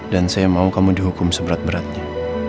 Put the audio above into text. dan saya mau kamu dihukum seberat beratnya